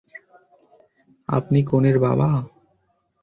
আপনি কনের বাবা!